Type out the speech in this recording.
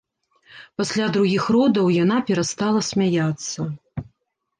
Пасля другіх родаў яна перастала смяяцца.